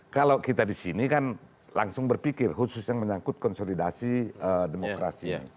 kalau kita disini kan langsung berpikir khusus yang menyangkut konsolidasi demokrasi